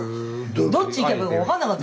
どっち行けばいいか分かんなかった。